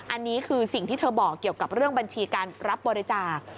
อันนี้คือสิ่งที่เธอบอกเกี่ยวกับเรื่องบัญชีการรับบริจาค